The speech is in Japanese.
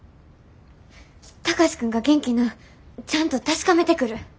貴司君が元気なんちゃんと確かめてくる。